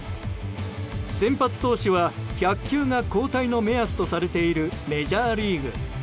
先発投手は１００球が交代の目安とされているメジャーリーグ。